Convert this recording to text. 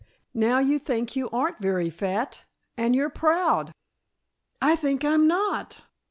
Now you think you aren't very fat, and you're proud." "I think I'm not!